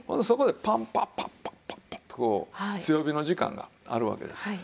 そこでパンパッパッパッとこう強火の時間があるわけです。